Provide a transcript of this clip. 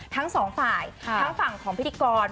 ทั้งสองฝ่ายทั้งฝั่งของพิธีกร